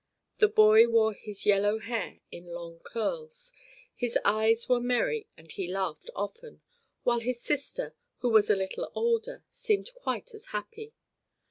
The boy wore his yellow hair in long curls, his eyes were merry and he laughed often, while his sister, who was a little older, seemed quite as happy.